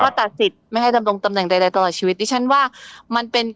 ก็ตัดสิทธิ์ไม่ให้ดำรงตำแหน่งใดตลอดชีวิตดิฉันว่ามันเป็น